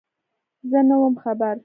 _زه نه وم خبر.